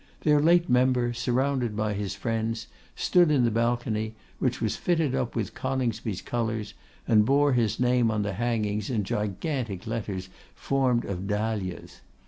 Their late member, surrounded by his friends, stood in the balcony, which was fitted up with Coningsby's colours, and bore his name on the hangings in gigantic letters formed of dahlias.